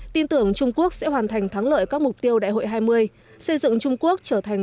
tin tưởng trung quốc sẽ hoàn thành thắng lợi các mục tiêu đại hội hai mươi xây dựng trung quốc trở thành